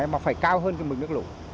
mà phải cao hơn mực nước lũ